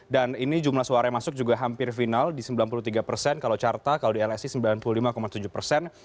dan ini jumlah suaranya masuk juga hampir final di sembilan puluh tiga persen kalau carta kalau di lsi sembilan puluh lima tujuh persen